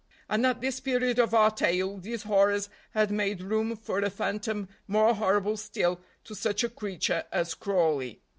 And at this period of our tale these horrors had made room for a phantom more horrible still to such a creature as Crawley.